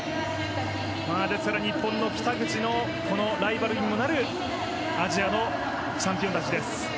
ですから日本の北口のライバルにもなるアジアのチャンピオンたちです。